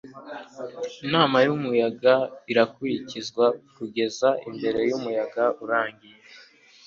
inama yumuyaga irakurikizwa kugeza imbere yumuyaga urangiye